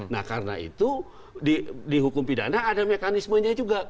nah karena itu di hukum pidana ada mekanismenya juga